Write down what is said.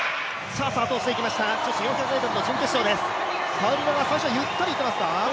パウリノが最初ゆったりいってますか？